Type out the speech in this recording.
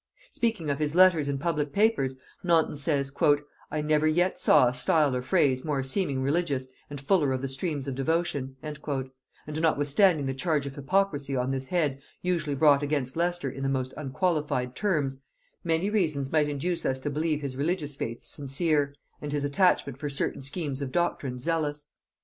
Speaking of his letters and public papers, Naunton says, "I never yet saw a style or phrase more seeming religious and fuller of the streams of devotion;" and notwithstanding the charge of hypocrisy on this head usually brought against Leicester in the most unqualified terms, many reasons might induce us to believe his religious faith sincere, and his attachment for certain schemes of doctrine, zealous.